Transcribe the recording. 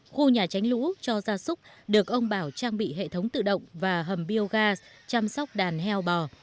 khu nhà tránh lũ cho gia súc được ông bảo trang bị hệ thống tự động và hầm bioga chăm sóc đàn heo bò